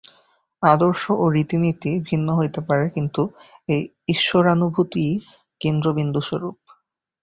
আদর্শ ও রীতিনীতি ভিন্ন হইতে পারে, কিন্তু এই ঈশ্বরানুভূতিই কেন্দ্র-বিন্দুস্বরূপ।